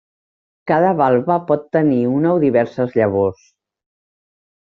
Cada valva pot tenir una o diverses llavors.